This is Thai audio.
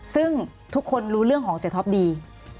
ซึ่งทุกคนรู้เรื่องของเสียท็อปดี